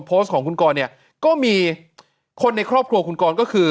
โพสต์ของคุณกรเนี่ยก็มีคนในครอบครัวคุณกรก็คือ